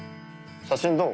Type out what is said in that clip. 写真どう？